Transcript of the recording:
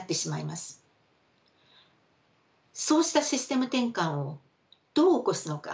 そうしたシステム転換をどう起こすのか？